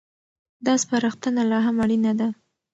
دا سپارښتنه لا هم اړينه ده.